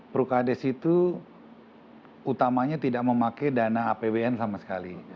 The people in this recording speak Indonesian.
prukades itu utamanya tidak memakai dana apbn sama sekali